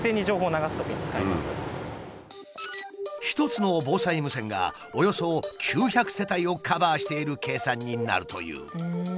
１つの防災無線がおよそ９００世帯をカバーしている計算になるという。